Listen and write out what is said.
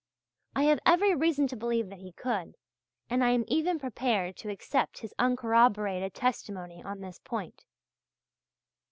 I have every reason to believe that he could, and I am even prepared to accept his uncorroborated testimony on this point.